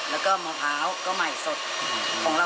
และก็มะพร้าวก็ใหม่สดของเรามันจะเป็นวัตถุดิบที่ใหม่สดทั้งหมดเลย